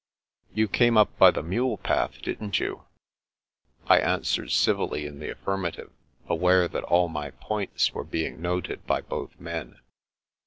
" You came up by the mule path, didn't you ?" I answered civilly in the affirmative, aware that all my " points *' were being noted by both men.